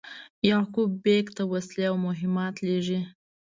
یعقوب بېګ ته وسلې او مهمات لېږي.